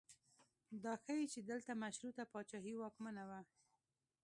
دا ښیي چې دلته مشروطه پاچاهي واکمنه وه.